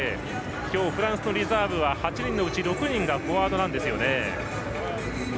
今日、フランスのリザーブは８人のうち６人がフォワードなんですよね。